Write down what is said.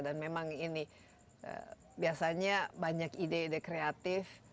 dan memang ini biasanya banyak ide ide kreatif